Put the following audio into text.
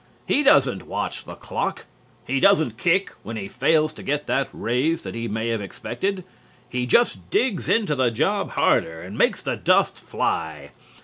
He doesn't watch the clock. He doesn't kick when he fails to get that raise that he may have expected. He just digs into the job harder and makes the dust fly.